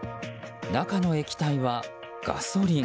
中の液体はガソリン。